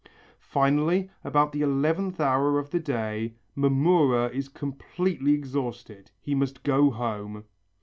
Finally, about the eleventh hour of the day, Mamurra is completely exhausted, he must go home.